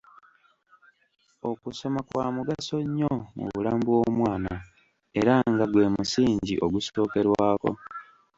Okusoma kwa mugaso nnyo mu bulamu bw’omwana era nga gwe musingi ogusookerwako.